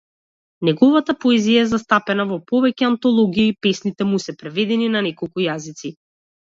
Неговата поезија е застапена во повеќе антологии, песните му се преведени на неколку јазици.